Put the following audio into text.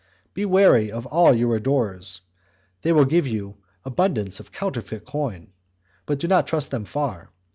Be wary of your adorers; they will give you abundance of counterfeit coin, but do not trust them far.